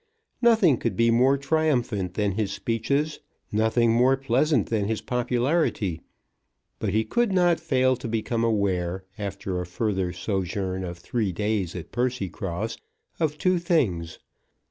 Nothing could be more triumphant than his speeches, nothing more pleasant than his popularity; but he could not fail to become aware, after a further sojourn of three days at Percycross, of two things.